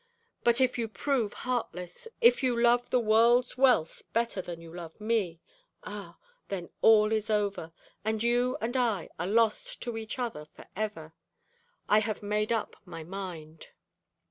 But if you prove heartless, if you love the world's wealth better than you love me ah! then all is over, and you and I are lost to each other for ever. I have made up my mind.'